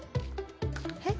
えっ？